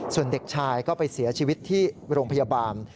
ส่วนเด็กชายก็ไปเสียชีวิตที่โรงพยาบาล